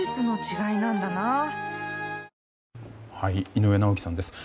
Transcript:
井上尚弥さんです。